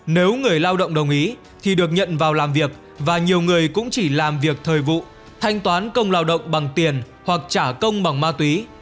nếu người lao động đồng ý thì được nhận vào làm việc và nhiều người cũng chỉ làm việc thời vụ thanh toán công lao động bằng tiền hoặc trả công bằng ma túy